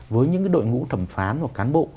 với những đội ngũ thẩm phán và cán bộ